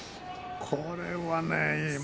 これはね